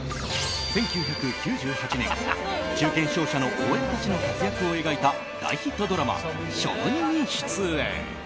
１９９８年、中堅商社のＯＬたちの活躍を描いた大ヒットドラマ「ショムニ」に出演。